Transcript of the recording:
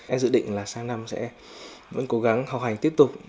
em dự định là sang năm sẽ vẫn cố gắng học hành tiếp tục